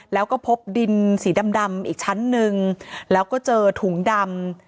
แล้วก็พบดินสีดำดำอีกชั้นหนึ่งแล้วก็เจอถุงดำ